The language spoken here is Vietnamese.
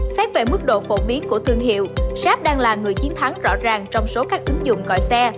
xét về mức độ phổ biến của thương hiệu shop đang là người chiến thắng rõ ràng trong số các ứng dụng gọi xe